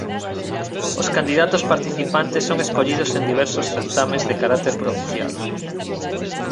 Os candidatos participantes son escollidos en diversos certames de carácter provincial.